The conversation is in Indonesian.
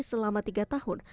selama tiga tahun